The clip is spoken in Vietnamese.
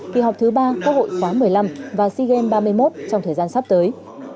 khi họp thứ ba có hội khóa một mươi năm và sigem ba mươi một trong thời gian sắp tới